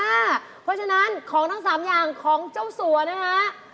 เพราะฉะนั้นของทั้ง๓อย่างของเจ้าสัวนะฮะ